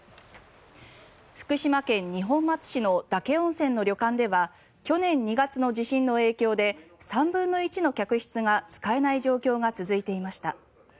福島県二本松市の岳温泉の旅館では去年２月の地震の影響で３分の１の客室が使えない状況が続いていました。